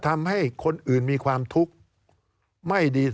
การเลือกตั้งครั้งนี้แน่